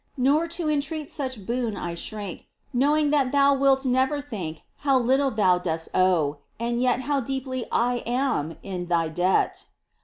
Nor to entreat such boon I shrink, Knowing that Thou wilt never think How little Thou dost owe — and yet How deeply / am in Thy debt